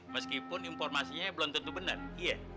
meskipun informasinya belum tentu benar iya